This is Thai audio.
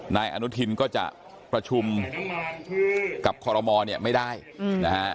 นายอนุทินก็จะประชุมกับคอรมอลเนี่ยไม่ได้นะฮะ